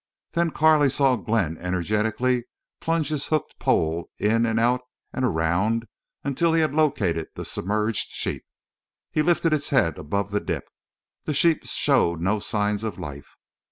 Then Carley saw Glenn energetically plunge his hooked pole in and out and around until he had located the submerged sheep. He lifted its head above the dip. The sheep showed no sign of life.